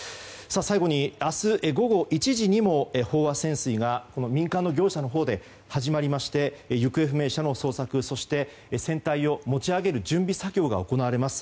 最後に、明日午後１時にも飽和潜水が民間の業者のほうで始まりまして行方不明者の捜索そして船体を持ち上げる準備作業が行われます。